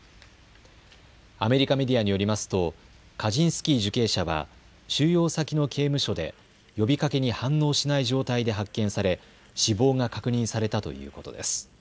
アメリカメディアによりますとカジンスキー受刑者は収容先の刑務所で呼びかけに反応しない状態で発見され死亡が確認されたということです。